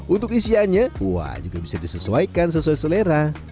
untuk isiannya wah juga bisa disesuaikan sesuai selera